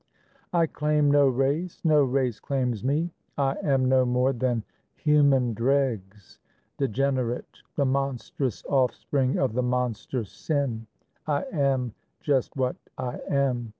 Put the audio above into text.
I claim no race, no race claims me; I am No more than human dregs; degenerate; The monstrous offspring of the monster, Sin; I am just what I am.